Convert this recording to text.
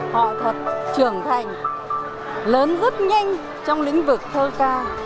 họ thật trưởng thành lớn rất nhanh trong lĩnh vực thơ ca